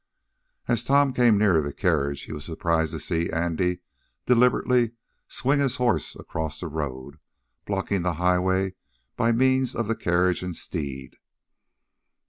As Tom came nearer the carriage, he was surprised to see Andy deliberately swing his horse across the road, blocking the highway by means of the carriage and steed.